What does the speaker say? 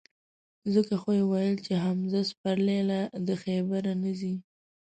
ځکه خو یې ویل چې: حمزه سپرلی لا د خیبره نه ځي.